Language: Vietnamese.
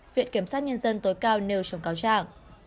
viện kiểm sát nhân dân tối cao nêu trong cáo trạng